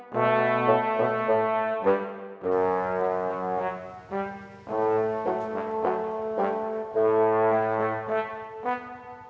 pasti udah di artistic